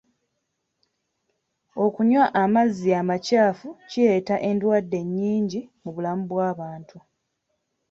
Okunywa amazzi amakyafu kireeta endwadde nnyingi mu bulamu bw'abantu.